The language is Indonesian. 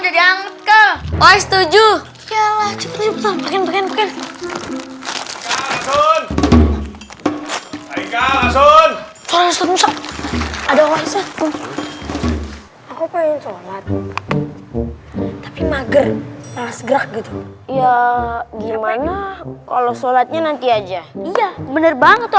ya gimana kalau sholatnya nanti aja bener banget itu